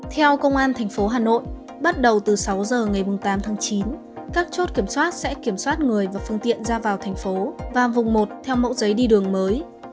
theo công an thành phố hà nội bắt đầu từ sáu giờ ngày tám tháng chín các chốt kiểm soát sẽ kiểm soát người và phương tiện ra vào thành phố và vùng một theo mẫu giấy đi đường mới